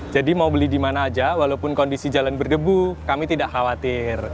jadi mau beli dimana aja walaupun kondisi jalan berdebu kami tidak khawatir